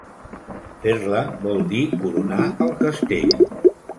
Fer-la vol dir coronar el castell.